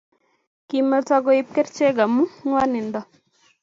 Kimeto koip kerchek amu ngwanindo